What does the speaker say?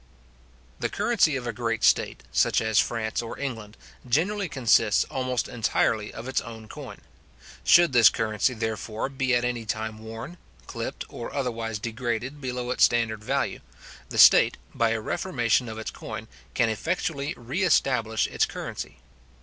The currency of a great state, such as France or England, generally consists almost entirely of its own coin. Should this currency, therefore, be at any time worn, clipt, or otherwise degraded below its standard value, the state, by a reformation of its coin, can effectually re establish its currency.